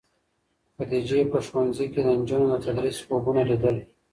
خدیجې په ښوونځي کې د نجونو د تدریس خوبونه لیدل.